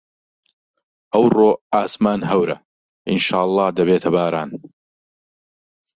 ئەوڕۆ ئاسمان هەورە، ئینشاڵڵا دەبێتە باران.